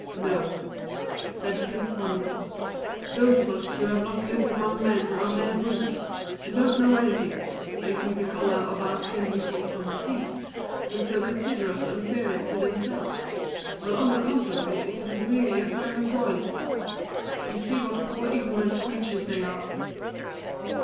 "No," said Prince Formidable. "Those of us who have not lived among men are mere brutes, and don't know anything. They think the colour of our skin results from disease, and so consider us inferior to themselves; while on the contrary it is really a sign of Royalty.... You see what poor ignorant creatures they are!"